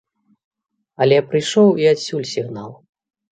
Але прыйшоў і адсюль сігнал.